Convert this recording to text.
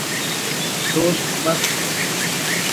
دوست بس